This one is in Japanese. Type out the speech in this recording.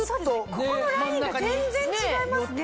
ここのラインが全然違いますね。